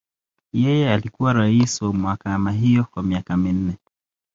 Yeye alikuwa rais wa mahakama hiyo kwa miaka minne.